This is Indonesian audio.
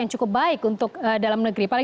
yang cukup baik untuk dalam negeri